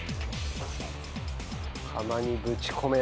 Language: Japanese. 釜にぶち込めば。